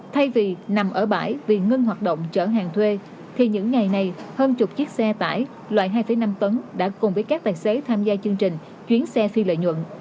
thay vì nằm ở bãi vì ngưng hoạt động chở hàng thuê thì những ngày này hơn chục chiếc xe tải loại hai năm tấn đã cùng với các tài xế tham gia chương trình chuyến xe phi lợi nhuận